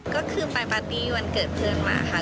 ก็คือไปปาร์ตี้วันเกิดเพื่อนมาค่ะ